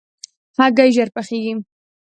هګۍ ژر پخېږي.